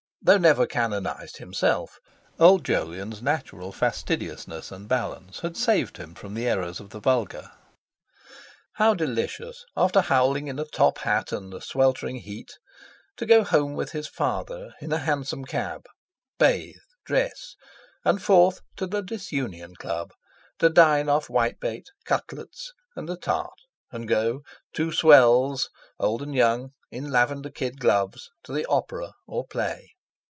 Though never canonised himself, Old Jolyon's natural fastidiousness and balance had saved him from the errors of the vulgar. How delicious, after bowling in a top hat and a sweltering heat, to go home with his father in a hansom cab, bathe, dress, and forth to the "Disunion" Club, to dine off white bait, cutlets, and a tart, and go—two "swells," old and young, in lavender kid gloves—to the opera or play.